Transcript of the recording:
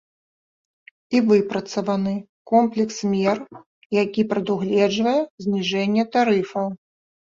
І выпрацаваны комплекс мер, які прадугледжвае зніжэнне тарыфаў.